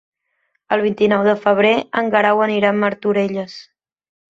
El vint-i-nou de febrer en Guerau anirà a Martorelles.